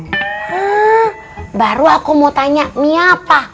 hmm baru aku mau tanya mie apa